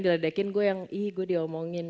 diledekin gue yang ih gue diomongin